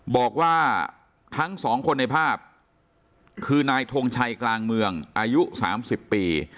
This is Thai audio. บอกว่าทั้งสองคนในภาพคือนายทงชัยกลางเมืองอายุ๓๐ปี